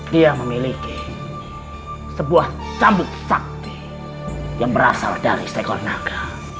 dia memiliki sebuah cambuk sakti yang berasal dari sekor naga